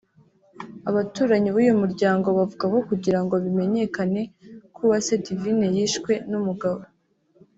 Abaturanyi b’ uyu muryango bavuga ko kugira ngo bimenyekane ko Uwase Divine yishwe n’ umugabo